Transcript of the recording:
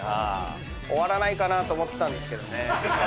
終わらないかなと思ってたんですけどね。